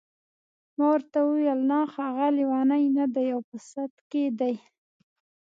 ما ورته وویل نه هغه لیونی نه دی او په سد کې دی.